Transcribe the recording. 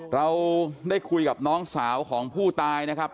เราได้คุยกับน้องสาวของผู้ตายนะครับ